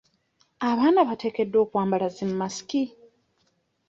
Abaana bateekeddwa okwambala zi masiki?